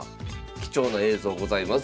貴重な映像ございます。